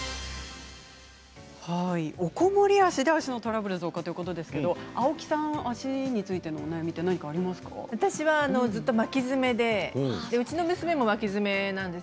おこもり足で足のトラブルということですけれど青木さんは足についてのお悩みは私はずっと巻き爪で娘も巻き爪なんです。